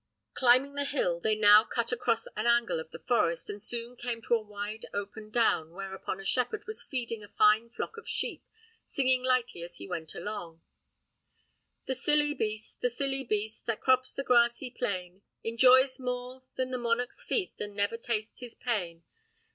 Climbing the hill, they now cut across an angle of the forest, and soon came to a wide open down, whereon a shepherd was feeding a fine flock of sheep, singing lightly as he went along. SHEPHERD'S SONG. "The silly beast, the silly beast, That crops the grassy plain, Enjoys more than the monarch's feast, And never tastes his pain.